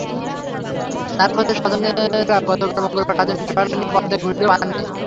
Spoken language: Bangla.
তাঁর খোঁজে স্বজনেরা গতকাল মঙ্গলবার সারা দিন ট্রলার নিয়ে পদ্মায় ঘুরলেও পাননি।